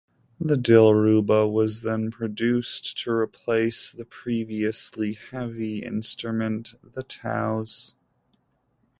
The Dilruba was then produced to replace the previously heavy instrument, the Taus.